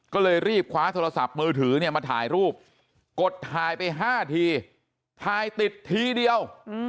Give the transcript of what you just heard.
ก็เลยรีบคว้าโทรศัพท์มือถือเนี่ยมาถ่ายรูปกดถ่ายไป๕ทีถ่ายติดทีเดียว